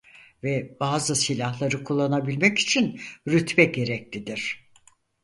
Ve bazı silahları kullanabilmek için rütbe gereklidir.